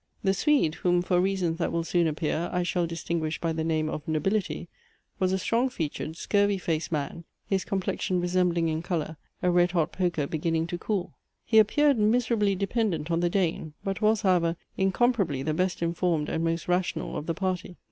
The Swede, whom for reasons that will soon appear, I shall distinguish by the name of Nobility, was a strong featured, scurvy faced man, his complexion resembling in colour, a red hot poker beginning to cool. He appeared miserably dependent on the Dane; but was, however, incomparably the best informed and most rational of the party.